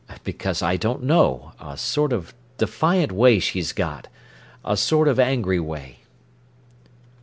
"Because I don't know—a sort of defiant way she's got—a sort of angry way."